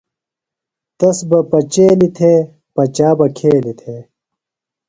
تس بہ پچیلیۡ تھےۡ، پچا بہ کھیلیۡ تھےۡ